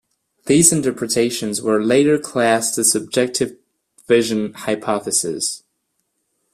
These interpretations were later classed the subjective vision hypothesis.